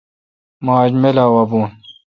مہ آج میلہ وا بون۔